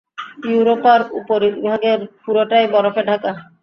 ইউরোপার উপরিভাগের পুরোটাই বরফে ঢাকা।